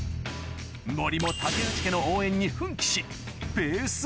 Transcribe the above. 森も竹内家の応援に奮起しペース